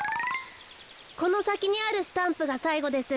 このさきにあるスタンプがさいごです。